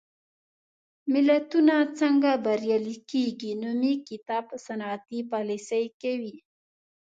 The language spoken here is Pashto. ملتونه څنګه بریالي کېږي؟ نومي کتاب په صنعتي پالېسۍ کوي.